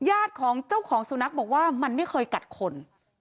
ญาติของเจ้าของสุนัขบอกว่ามันไม่เคยกัดคน